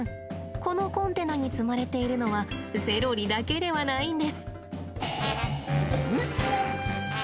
このコンテナに積まれているのはセロリだけではないんです。